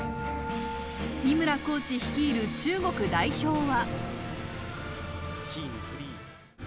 井村コーチ率いる中国代表は。